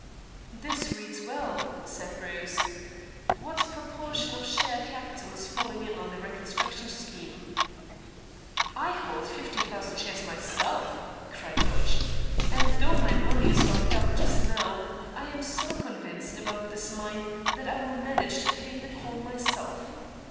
"This reads well," said Bruce. "What proportion of share capital is falling in on the reconstruction scheme?" "I hold fifty thousand shares myself," cried Dodge, "and though my money is locked up just now I am so convinced about this mine that I will manage to pay the call myself.